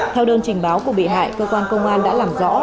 theo đơn trình báo của bị hại cơ quan công an đã làm rõ